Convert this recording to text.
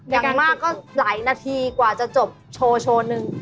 อย่างมากก็หลายนาทีกว่าจะจบโชว์โชว์หนึ่ง